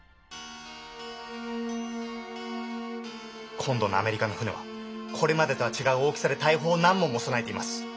今度のアメリカの船はこれまでとは違う大きさで大砲を何門も備えています。